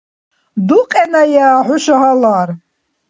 Дукьеная хӀуша гьалар.